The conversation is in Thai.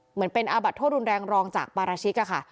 เหมือนเป็นอาบัดโทษรุนแรงรองจากปราชิกอะค่ะ